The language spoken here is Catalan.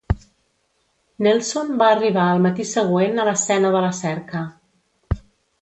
Nelson va arribar el matí següent a l'escena de la cerca.